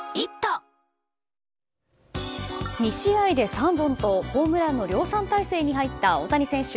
２試合で３本とホームランの量産態勢に入った大谷選手。